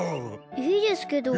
いいですけど。